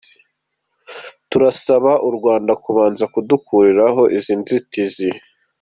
Turasaba u Rwanda kubanza kudukuriraho izi nzitizi.